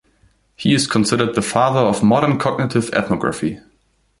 He is considered the father of modern cognitive ethnography.